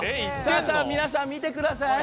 皆さん見てください。